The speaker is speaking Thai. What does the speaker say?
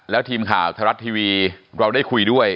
แล้วทีมข่าวไทยรัฐทีวีเราได้คุยด้วย